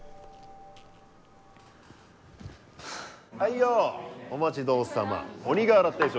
はいよお待ち遠さま鬼瓦定食。